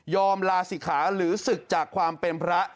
ลาศิกขาหรือศึกจากความเป็นพระ